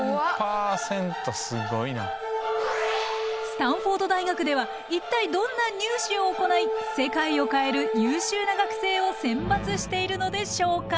スタンフォード大学では一体どんなニュー試を行い世界を変える優秀な学生を選抜しているのでしょうか？